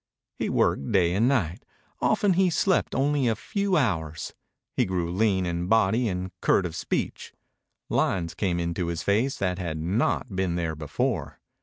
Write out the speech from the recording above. He worked day and night. Often he slept only a few hours. He grew lean in body and curt of speech. Lines came into his face that had not been there before.